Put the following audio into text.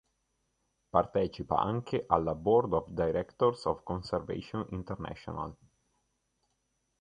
Partecipa anche alla "Board of Directors of Conservation International".